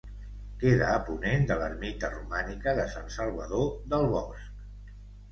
Queda a ponent de l'ermita romànica de Sant Salvador del Bosc.